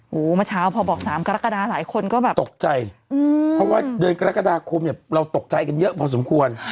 เมื่อเช้าพอบอก๓กรกฎาหลายคนก็แบบตกใจเพราะว่าเดือนกรกฎาคมเนี่ยเราตกใจกันเยอะพอสมควร